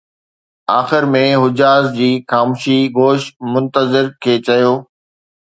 آخر ۾ حجاز جي خامشي گوش منتظر کي چيو